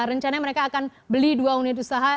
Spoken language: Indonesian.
rencana mereka akan beli dua unit usaha